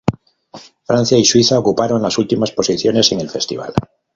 Francia y Suiza ocuparon las últimas posiciones en el festival.